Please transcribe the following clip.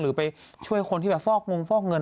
ไปช่วยคนที่แบบฟอกงงฟอกเงิน